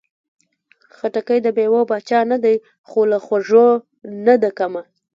خټکی د مېوې پاچا نه ده، خو له خوږو نه ده کمه.